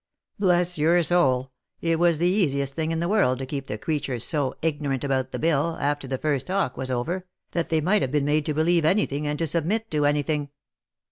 Bless your soul, it was the easiest thing in the world to keep the creatures so ignorant about the bill, after the first talk was over, that they might have been made to believe any thing and to submit to any thing.